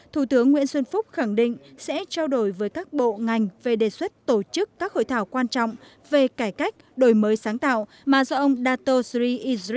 thủ tướng nguyễn xuân phúc khẳng định sẽ trao đổi với các bộ ngành về đề xuất tổ chức các hội thảo quan trọng về cải cách đổi mới sáng tạo mà do ông dato siri idrit zala nêu ra